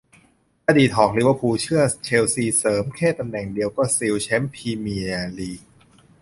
อดีตหอก ลิเวอร์พูล เชื่อ เชลซี เสริมแค่ตำแหน่งเดียวก็ซิวแชมป์ พรีเมียร์ลีก